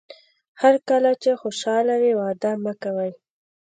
هر کله چې خوشاله وئ وعده مه کوئ.